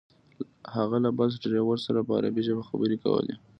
هغه له بس ډریور سره په عربي ژبه خبرې کولې.